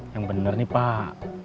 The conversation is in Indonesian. yang bener nih pak